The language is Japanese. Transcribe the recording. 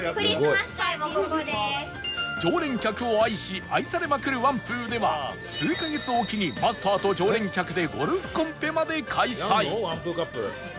常連客を愛し愛されまくる王府では数カ月置きにマスターと常連客でゴルフコンペまで開催やんの？